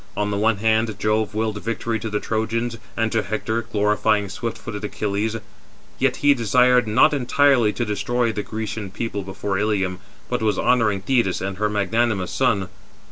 On the one hand, Jove willed victory to the Trojans and to Hector, glorifying swift footed Achilles; yet he desired not entirely to destroy the Grecian people before Ilium, but was honouring Thetis and her magnanimous son.